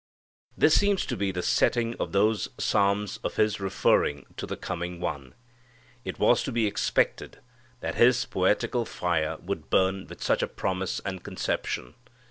This seems to be the setting of those psalms of his referring to the coming One. It was to be expected that his poetical fire would burn with such a promise and conception.